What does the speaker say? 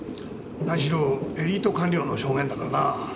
何しろエリート官僚の証言だからな。